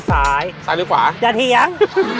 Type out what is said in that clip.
ซ้ายหรือขวาจะเทียง